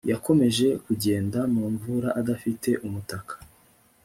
Yakomeje kugenda mu mvura adafite umutaka